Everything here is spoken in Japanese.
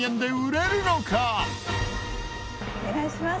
「お願いします」